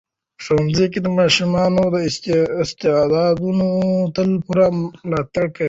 په ښوونځي کې د ماشومانو د استعدادونو تل پوره ملاتړ وکړئ.